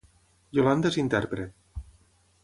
Yolanda és intèrpret